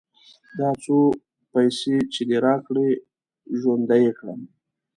دا څو پيسې چې دې راکړې؛ ژوندی يې کړم.